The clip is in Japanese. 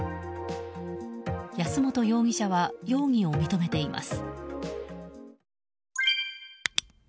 安本容疑者は容疑を認めています。